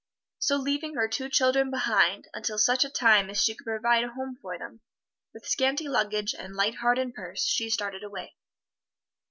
So leaving her two children behind, until such a time as she could provide a home for them, with scanty luggage and light heart and purse, she started away.